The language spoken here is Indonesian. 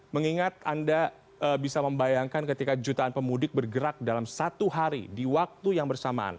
mengingat anda bisa membayangkan ketika jutaan pemudik bergerak dalam satu hari di waktu yang bersamaan